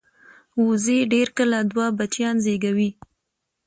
وزې ډېر کله دوه بچیان زېږوي